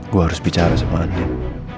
gue harus bicara sama anin